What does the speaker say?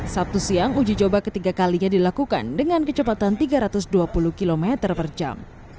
sabtu siang uji coba ketiga kalinya dilakukan dengan kecepatan tiga ratus dua puluh km per jam